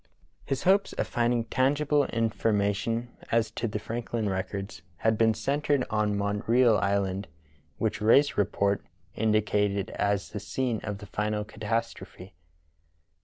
His hopes of finding tangible information as to the Franklin records had been centred on Montreal Island, which Rae's report (p. 139) indicated as the scene of the final catastrophe.